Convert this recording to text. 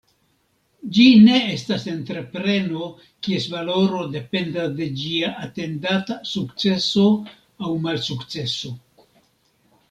Ĝi ne estas entrepreno, kies valoro dependas de ĝia atendata sukceso aŭ malsukceso.